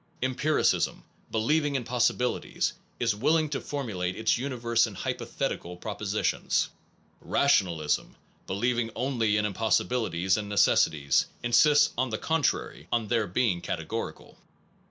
(Empiricism, believing in possibilities, is willing to formulate its universe in hypothetical proposi tions . Rationalism, believing only in impossibili ties and necessities, insists on the contrary on their being categorical.)